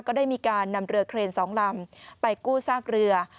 ก็ได้มีการนำเรือเครน๒ลำไปกู้ซากเรือ